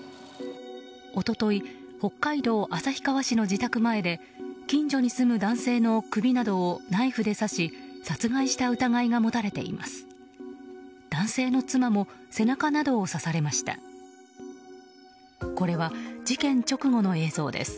一昨日、北海道旭川市の自宅前で近所に住む男性の首などをナイフで刺し殺害した疑いが持たれています。